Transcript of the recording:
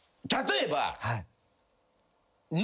例えば。